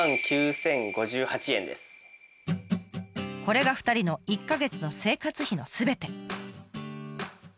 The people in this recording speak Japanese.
これが２人の１か月の生活費のすべて。